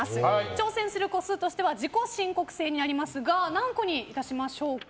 挑戦する個数としては自己申告制となりますが何個にいたしましょうか。